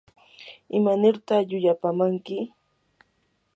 ¿imanirta llullapamanki?